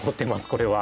これは。